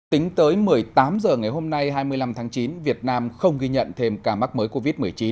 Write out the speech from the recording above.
tính tới một mươi tám h ngày hôm nay hai mươi năm tháng chín việt nam không ghi nhận thêm ca mắc mới covid một mươi chín